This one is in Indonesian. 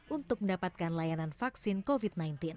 untuk mendapatkan layanan vaksin covid sembilan belas